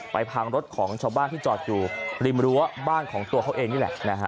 พังรถของชาวบ้านที่จอดอยู่ริมรั้วบ้านของตัวเขาเองนี่แหละนะฮะ